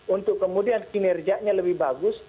untuk kemudian kinerjanya lebih bagus